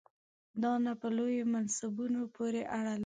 دا نه په لویو منصبونو پورې اړه لري.